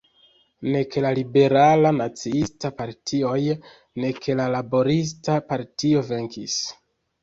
Nek la Liberala-Naciista partioj, nek la Laborista partio venkis.